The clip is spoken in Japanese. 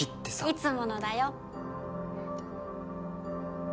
いつものだよ